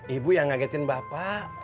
ibu yang ngagetin bapak